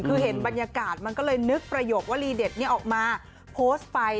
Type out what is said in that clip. คือเห็นบรรยากาศมันก็เลยนึกประโยควรีเด็ดนี้ออกมาโพสต์ไป